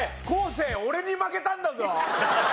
生俺に負けたんだぞ！